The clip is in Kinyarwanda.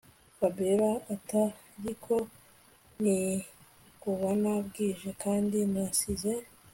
Fabiora atiariko ndikubona bwije kandi nasize